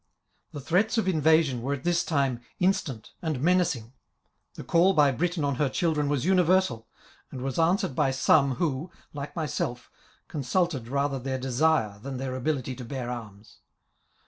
The threats of invasion were at this time instant and menacing ; the call by Britain on her child ren was universal, and was answered by some, who, like myself, consulted rather their desire than their ability to bear arms.